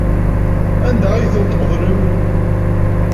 Anda ay ten-tmeḍlem?